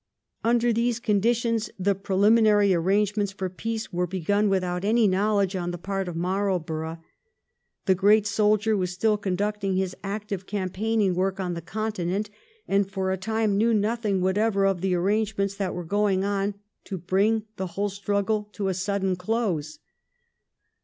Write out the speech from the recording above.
Under these con ditions the preliminary arrangements for peace were begun without any knowledge on the part of Marl borough. The great soldier was still conducting his active campaigning work on the Continent, and, for a time, knew nothing whatever of the arrangements that were going on to bring the whole struggle to a sudden close.